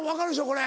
これ。